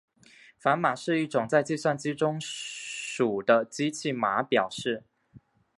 反码是一种在计算机中数的机器码表示。